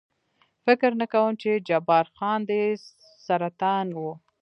فکر نه کوم، چې جبار خان دې سرطان و.